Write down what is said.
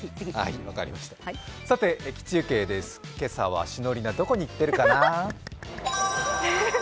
さて駅中継です、今朝は、しのりな、どこに行っているかな。